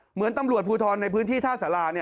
เหมือนตำรวจภูทรในพื้นที่ท่าสารา